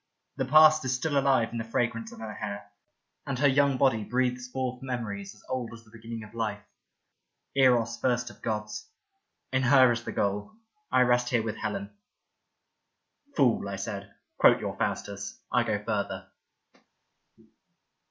The past is still alive in the fragrance of her hair, and her young body breathes forth memories as old as the beginning of life — Eros first of gods. In her is the goal. I rest here with Helen." " Fool," I said, " quote your Faustus. I go further."